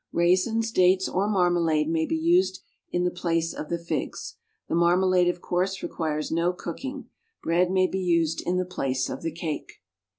Raisins, dates or marmalade may be used in the place of the figs. The marmalade, of course, requires no cooking. Bread may be used in the place of the cake.